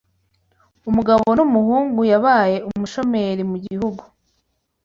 Umugabo n'Umuhungu, Yabaye umushomeri mu gihugu